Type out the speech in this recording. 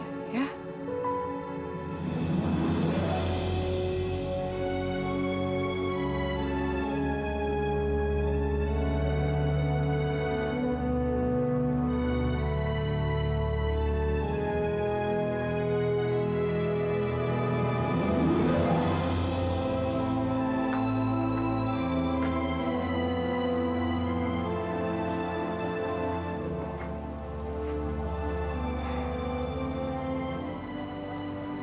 kamu bisa jadi pewaris